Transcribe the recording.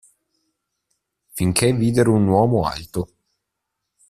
Finchè videro un uomo alto.